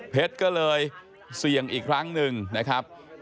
ก็เลยเสี่ยงอีกครั้งหนึ่งนะครับ